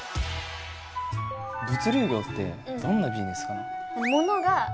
物流業ってどんなビジネスかな？